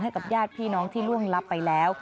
ให้กับญาติพี่น้องที่ล่วงลับไปแล้ว